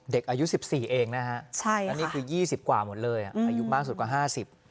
เด็กอายุ๑๔เองนะฮะอันนี้คือ๒๐กว่าหมดเลยอายุมากสุดกว่า๕๐